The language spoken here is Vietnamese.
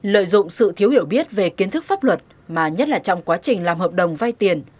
lợi dụng sự thiếu hiểu biết về kiến thức pháp luật mà nhất là trong quá trình làm hợp đồng vay tiền